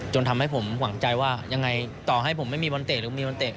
จนทำให้ผมหวังใจว่ายังไงต่อให้ผมไม่มีบอลเตะหรือมีบอลเตะ